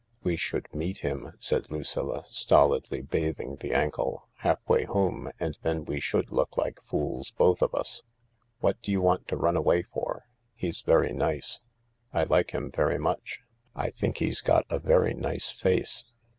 "We should meet him," said Lucilla, stolidly bathing the ankle, " half way home, and then we should look like fools, both of us. What do you want to run away for ? He's very nice. I like him very much, I think he's got a very nice face."